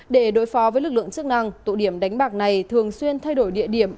để đối phó với lực lượng chức năng tụ điểm đánh bạc này thường xuyên thay đổi địa điểm